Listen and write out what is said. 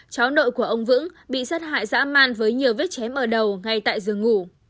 cháu nội của ông vững bị sát hại dã man với nhiều vết chém mở đầu ngay tại giường ngủ